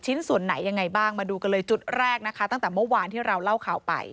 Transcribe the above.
ส่วนไหนยังไงบ้างมาดูกันเลยจุดแรกนะคะตั้งแต่เมื่อวานที่เราเล่าข่าวไป